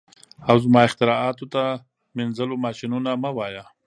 او زما اختراعاتو ته مینځلو ماشینونه مه وایه